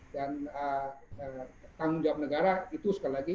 dan tanggung jawab negara itu sekali lagi